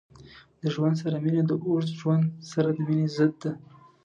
د ژوند سره مینه د اوږد ژوند سره د مینې ضد ده.